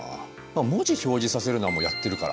文字表示させるのはもうやってるから。